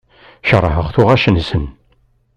Keṛheɣ tuɣac-nsen.